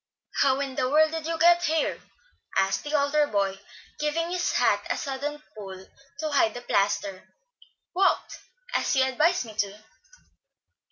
"How in the world did you get here?" asked the elder boy, giving his hat a sudden pull to hide the plaster. "Walked, as you advised me to."